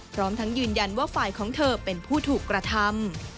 พร้อมทั้งยืนยันว่าฝ่ายของเธอเป็นผู้ถูกกระทำ